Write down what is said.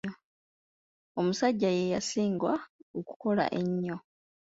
Omusajja ye yasinga okukola ennyo.